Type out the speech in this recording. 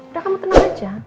udah kamu tenang aja